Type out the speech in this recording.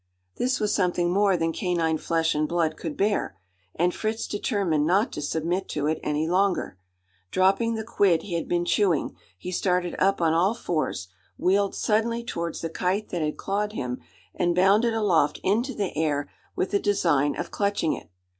This was something more than canine flesh and blood could bear; and Fritz determined not to submit to it any longer. Dropping the "quid" he had been chewing, he started up on all fours; wheeled suddenly towards the kite that had clawed him; and bounded aloft into the air with the design of clutching it.